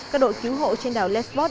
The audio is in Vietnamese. các đội cứu hộ trên đảo lesbos